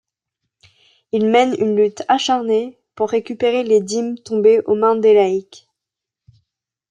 Ils mènent une lutte acharnés pour récupérer les dîmes tombées aux mains des laïcs.